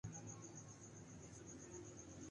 ہماری پاکستانی قوم چاہتی کیا ہے؟